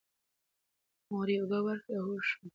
مور یې اوبه ورکړې او هوښ شو.